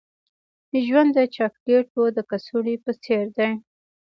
ژوند د چاکلیټو د کڅوړې په څیر دی.